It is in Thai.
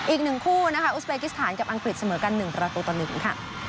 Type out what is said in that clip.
อีก๑คู่นะคะอุสเบกิสถานกับอังกฤษเสมอกัน๑ประตูต่อ๑ค่ะ